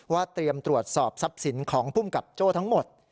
เตรียมตรวจสอบทรัพย์สินของภูมิกับโจ้ทั้งหมด